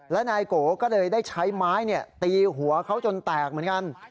และนายโกก็เลยได้ใช้ไม้ตีหัวเขาจนแตกเหมือนกัน